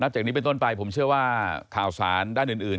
จากนี้เป็นต้นไปผมเชื่อว่าข่าวสารด้านอื่น